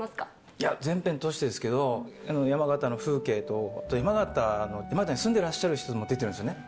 いや全編通してですけど、山形の風景と、山形に住んでらっしゃる方も出てるんですよね。